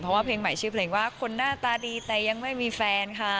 เพราะว่าเพลงใหม่ชื่อเพลงว่าคนหน้าตาดีแต่ยังไม่มีแฟนค่ะ